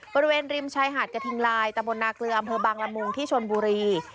บริเวณริมชายหาดกระทิงลายตะบนนาเกลืออำเภอบางละมุงที่ชนบุรี